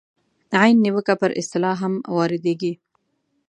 عین نیوکه پر اصطلاح هم واردېږي.